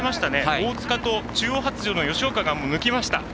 大塚と中央発條の吉岡が抜きました。